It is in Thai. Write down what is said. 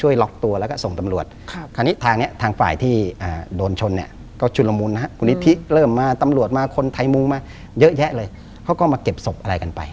เยอะแยะเลยเขาก็มาเก็บศพอะไรกันไป